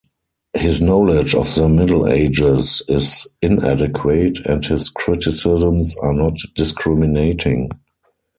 His knowledge of the Middle Ages is inadequate, and his criticisms are not discriminating.